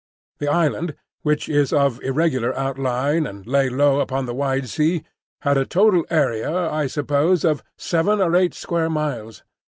The island, which was of irregular outline and lay low upon the wide sea, had a total area, I suppose, of seven or eight square miles.